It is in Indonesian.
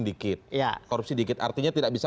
dikit ya korupsi dikit artinya tidak bisa